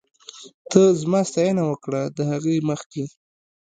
ته زما ستاينه وکړه ، د هغې مخکې